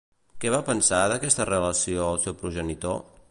Què va pensar d'aquesta relació el seu progenitor?